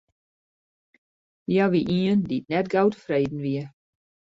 Hja wie ien dy't net gau tefreden wie.